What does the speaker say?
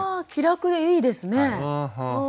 気楽でいいですね。